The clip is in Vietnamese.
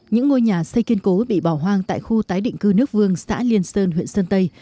những ngôi nhà xây kiên cố bị bỏ hoang tại khu tái định cư nước vương xã liên sơn huyện sơn tây